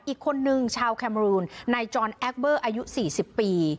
อีกคนนึงชาวแคมรูนนายจอนแอคเบอร์อายุ๔๐ปี